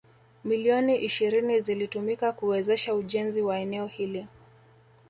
Milioni ishirini zilitumika kuwezesha ujenzi wa eneo hili.